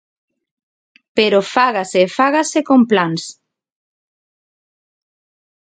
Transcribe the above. Pero fágase e fágase con plans.